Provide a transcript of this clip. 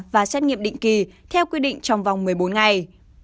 và xét nghiệm định kỳ theo quy định trong vòng một mươi bốn ngày